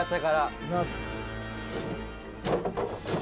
「いきます」